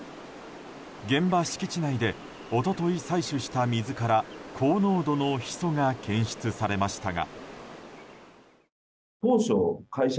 現場敷地内で一昨日、採取した水から高濃度のヒ素が検出されましたが。